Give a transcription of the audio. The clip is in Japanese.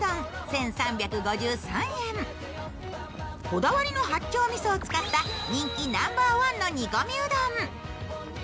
こだわりの八丁みそを使った人気ナンバーワンのみそ煮込みうどん。